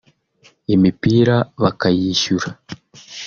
imipira bakayishyura